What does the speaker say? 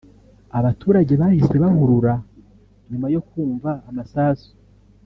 Abaturage bahise bahurura nyuma yo kumva amasasu